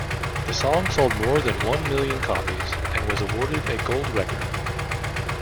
The song sold more than one million copies, and was awarded a gold record.